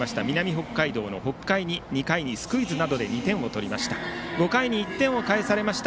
北海道の北海に２回にスクイズなどで２点を取りました。